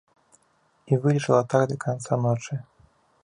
І вылежала так да канца ночы.